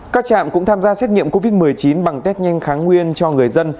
các trạm cũng tham gia xét nghiệm covid một mươi chín bằng test nhanh kháng nguyên cho người dân